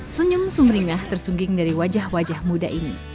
senyum sumringah tersuging dari wajah wajah muda ini